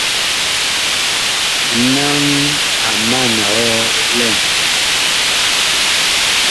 Naŋ a man hɔ lɛn.